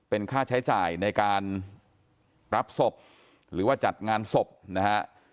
เป็นค่าใช้จ่ายในการรับศพหรือว่าจัดงานศพนะฮะ